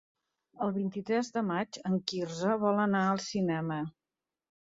El vint-i-tres de maig en Quirze vol anar al cinema.